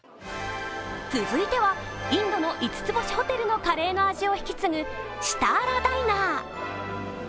続いては、インドの五つ星ホテルのカレーの味を引き継ぐシターラ・ダイナー。